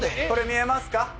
これ見えますか？